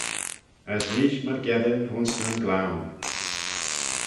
As neesht myrgeddin ayns nyn gloan.